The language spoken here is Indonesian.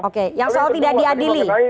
oke yang soal tidak diadili